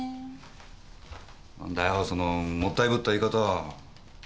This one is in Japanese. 何だよそのもったいぶった言い方は？